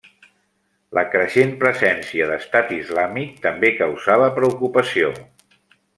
La creixent presència d'Estat Islàmic també causava preocupació.